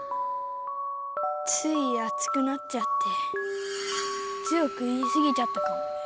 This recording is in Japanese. ついあつくなっちゃって強く言いすぎちゃったかも。